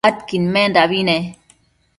adquidmendabi ne